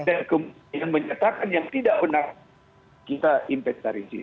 dan kemudian menyatakan yang tidak benar kita investarisir